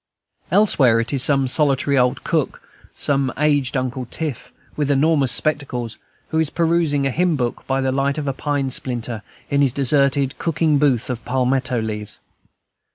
Elsewhere, it is some solitary old cook, some aged Uncle Tiff, with enormous spectacles, who is perusing a hymn book by the light of a pine splinter, in his deserted cooking booth of palmetto leaves.